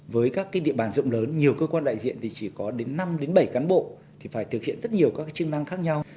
với các địa bàn rộng lớn nhiều cơ quan đại diện thì chỉ có đến năm bảy cán bộ thì phải thực hiện rất nhiều các chức năng khác nhau